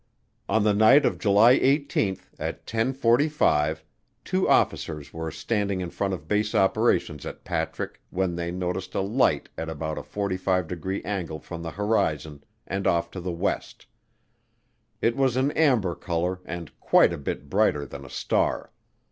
On the night of July 18, at ten forty five, two officers were standing in front of base operations at Patrick when they noticed a light at about a 45 degree angle from the horizon and off to the west. It was an amber color and "quite a bit brighter than a star."